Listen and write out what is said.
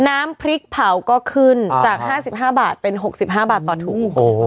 น้ำพริกเผาก็ขึ้นอ่าจากห้าสิบห้าบาทเป็นหกสิบห้าบาทต่อถุงโอ้โห